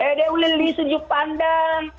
ada ulil di sejuk pandang